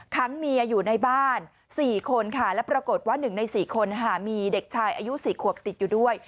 เมียอยู่ในบ้าน๔คนค่ะและปรากฏว่า๑ใน๔คนมีเด็กชายอายุ๔ขวบติดอยู่ด้วย